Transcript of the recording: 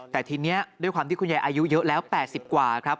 แต่ทีนี้ด้วยความที่คุณยายอายุเยอะแล้ว๘๐กว่าครับ